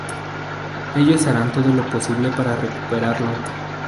Ellos harán todo lo posible para recuperarlo.